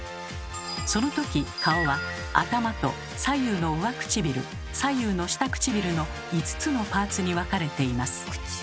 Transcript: その時顔は頭と左右の上唇左右の下唇の５つのパーツに分かれています。